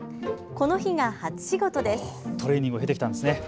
この日が初仕事です。